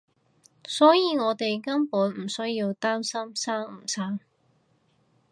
所以我哋根本唔需要擔心生唔生